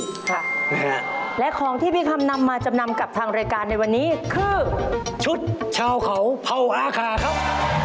ค่ะนะฮะและของที่พี่คำนำมาจำนำกับทางรายการในวันนี้คือชุดชาวเขาเผาอาคาครับ